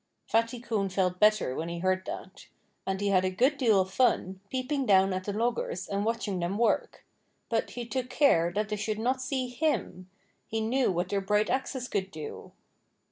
Fatty Coon felt better when he heard that. And he had a good deal of fun, peeping down at the loggers and watching them work. But he took care that they should not see HIM. He knew what their bright axes could do.